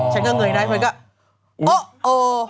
ฉันก็เงยได้มันก็โอ๊ะเออ